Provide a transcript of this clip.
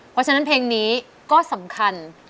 เพราะฉะนั้นเพลงนี้ก็สำคัญ